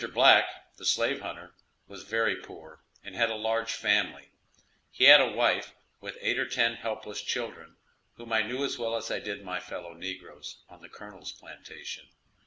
Black, the slave hunter, was very poor, and had a large family; he had a wife, with eight or ten helpless children, whom I knew as well as I did my fellow negroes on the colonel's plantation.